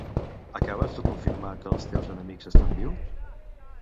Acabes de confirmar que els teus enemics estan vius.